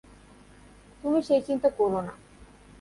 তুমি সেই চিন্তা কোরো না!